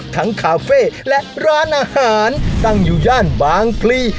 คาเฟ่และร้านอาหารตั้งอยู่ย่านบางพลี